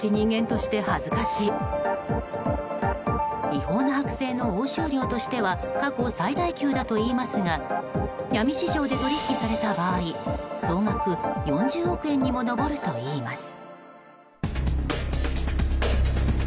違法な剥製の押収量としては過去最大級だといいますが闇市場で取引された場合総額４０億円にも上るといいます。